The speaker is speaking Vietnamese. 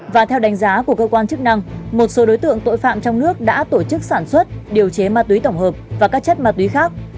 và theo đánh giá của cơ quan chức năng một số đối tượng tội phạm trong nước đã tổ chức sản xuất điều chế ma túy tổng hợp và các chất ma túy khác